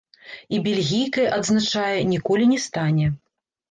І бельгійкай, адзначае, ніколі не стане.